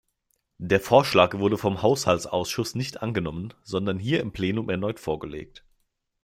Der Vorschlag wurde vom Haushaltsausschuss nicht angenommen, sondern hier im Plenum erneut vorgelegt.